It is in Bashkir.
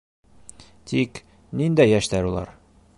Тик... ниндәй йәштәр улар?